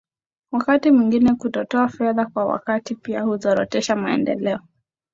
wakati mwengine kutotoa fedha kwa wakati pia huzorotesha maendeleo